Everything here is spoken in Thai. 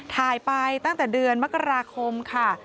ถ่ายไปตั้งแต่เดือนมกราคมค่ะ